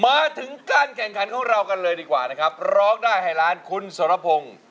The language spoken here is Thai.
มาถึงการแข่งขันของเรากันเลยดีกว่านะครับร้องได้ให้ล้านคุณสรพงศ์